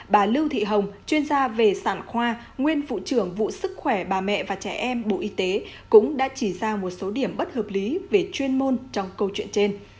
bà lưu thị hồng chuyên gia về sản khoa nguyên phụ trưởng vụ sức khỏe bà mẹ và trẻ em bộ y tế cũng đã chỉ ra một số điểm bất hợp lý về chuyên môn trong câu chuyện trên